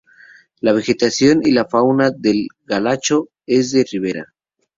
La vegetación y la fauna del galacho es de ribera.